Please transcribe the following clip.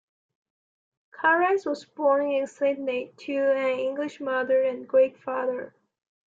Carides was born in Sydney, to an English mother and Greek father.